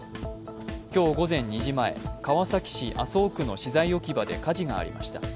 今日午前２時前、川崎市麻生区の資材置き場で火事がありました。